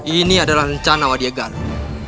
ini adalah rencana wadiah galuh